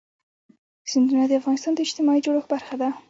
سیندونه د افغانستان د اجتماعي جوړښت برخه ده.